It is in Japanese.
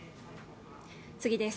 次です